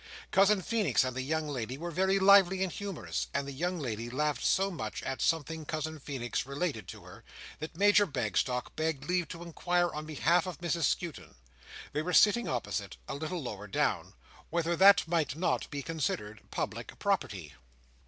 Cousin Feenix and the young lady were very lively and humorous, and the young lady laughed so much at something Cousin Feenix related to her, that Major Bagstock begged leave to inquire on behalf of Mrs Skewton (they were sitting opposite, a little lower down), whether that might not be considered public property.